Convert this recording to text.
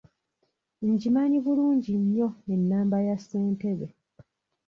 Ngimanyi bulungi nnyo ennamba ya ssentebe.